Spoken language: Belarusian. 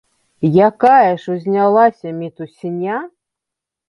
Якая ж узнялася мітусня!